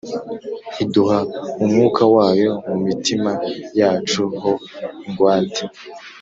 iduha Umwuka wayo mu mitima yacu ho ingwate.